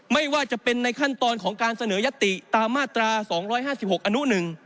ไม่ว่าจะเป็นในขั้นตอนของการเสนอยติตามมาตรา๒๕๖อนุ๑